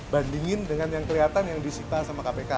bandingin dengan yang kelihatan yang disita sama kpk